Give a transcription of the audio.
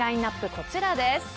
こちらです。